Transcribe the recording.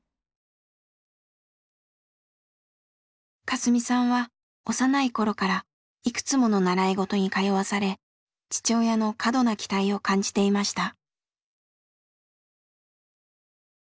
カスミさんは幼い頃からいくつもの習い事に通わされ父親の過度な期待を感じていました。